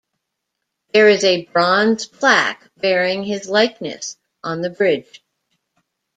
There is a bronze plaque bearing his likeness on the bridge.